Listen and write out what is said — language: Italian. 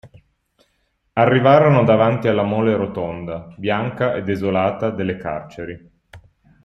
Arrivarono davanti alla mole rotonda, bianca e desolata delle carceri.